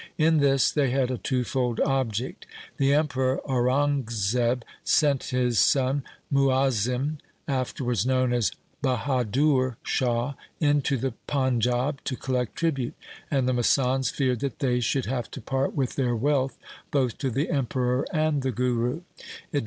In this they had a twofold object. The Emperor Aurangzeb sent his son Muazzim, afterwards known as Bahadur Shah, into the Panjab to collect tribute, and the masands feared that they should have to part with their wealth both to the Emperor and the Guru.